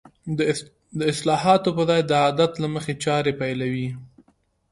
د اصلاحاتو په ځای د عادت له مخې چارې پيلوي.